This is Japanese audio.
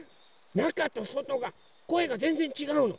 なかとそとがこえがぜんぜんちがうの。